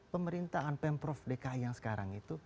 pemerintahan pemprov dki yang sekarang itu